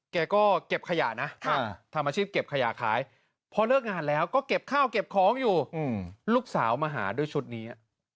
แกก็เก็บขยะนะทำอาชีพเก็บขยะขายพอเลิกงานแล้วก็เก็บข้าวเก็บของอยู่ลูกสาวมาหาด้วยชุดนี้